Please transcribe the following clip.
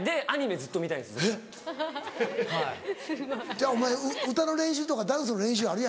ちゃうお前歌の練習とかダンスの練習あるやんか。